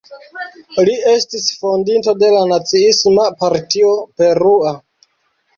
Li estis fondinto de la Naciisma Partio Perua.